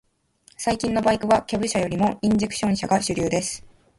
最近のバイクは、キャブ車よりもインジェクション車が主流です。